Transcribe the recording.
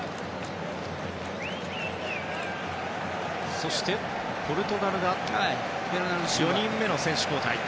そして、ポルトガルが４人目の選手交代。